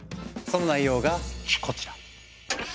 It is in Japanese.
その内容がこちら。